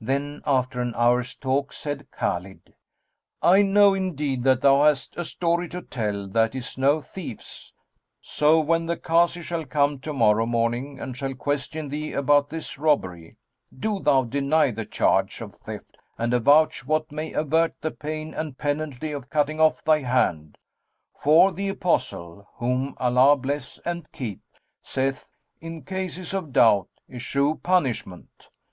Then after an hour's talk said Khбlid, "I know indeed thou hast a story to tell that is no thief's; so when the Kazi shall come to morrow morning and shall question thee about this robbery, do thou deny the charge of theft and avouch what may avert the pain and penalty of cutting off thy hand; for the Apostle (whom Allah bless and keep!) saith, 'In cases of doubt, eschew punishment.'"